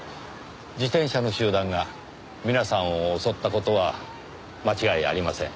自転車の集団が皆さんを襲った事は間違いありません。